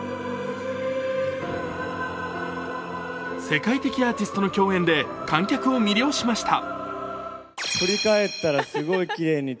世界的アーティストの共演で観客を魅了しました。